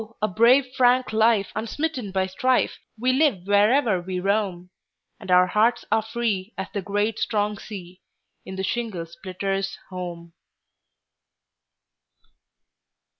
a brave frank life, unsmitten by strife, We live wherever we roam, And our hearts are free as the great strong sea, In the shingle splitter's home.